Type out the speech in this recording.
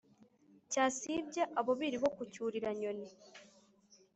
cyasibya abo biru bo ku cyurira-nyoni